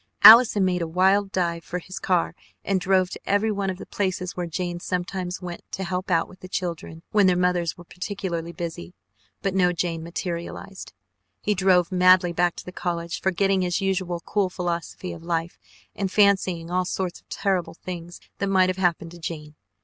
Allison made a wild dive for his car and drove to every one of the places where Jane sometimes went to help out with the children when their mothers were particularly busy, but no Jane materialized. He drove madly back to the college, forgetting his usual cool philosophy of life and fancying all sorts of terrible things that might have happened to Jane.